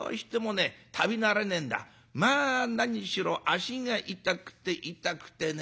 まあ何しろ足が痛くて痛くてね。